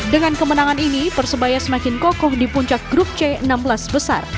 dengan kemenangan ini persebaya semakin kokoh di puncak grup c enam belas besar